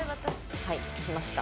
はいきました。